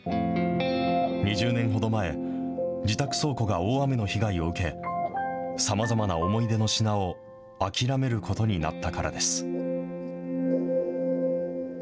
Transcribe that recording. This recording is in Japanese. ２０年ほど前、自宅倉庫が大雨の被害を受け、さまざまな思い出の品を諦めることになったからです。